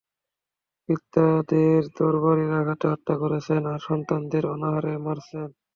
পিতাদের তরবারীর আঘাতে হত্যা করছেন আর সন্তানদের অনাহারে মারছেন।